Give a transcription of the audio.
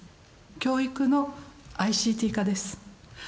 教育のＩＣＴ化です。